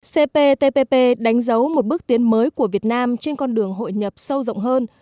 c p t p đánh dấu một bước tiến mới của việt nam trên con đường hội nhập sâu rộng hơn